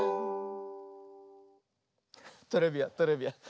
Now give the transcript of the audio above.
トレビアントレビアン。